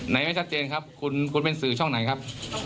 ไม่ชัดเจนครับคุณเป็นสื่อช่องไหนครับ